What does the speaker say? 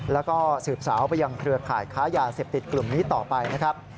แล้วก็สืบสาวไปยังเครือข่ายค้ายาเสพติดกลุ่มนี้ต่อไปนะครับ